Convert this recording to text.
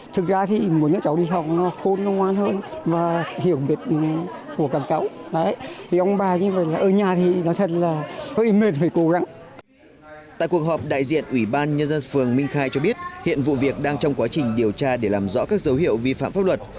tại cuộc họp đại diện ubnd phường minh khai cho biết hiện vụ việc đang trong quá trình điều tra để làm rõ các dấu hiệu vi phạm pháp luật